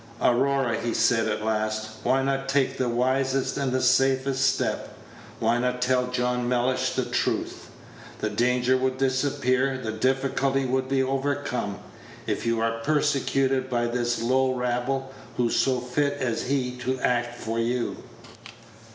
"Aurora," he said at last, "why not take the wisest and the safest step? Why not tell John Mellish the truth? The danger would disappear; the difficulty would be overcome. If you are persecuted by this low rabble, who so fit as he to act for you?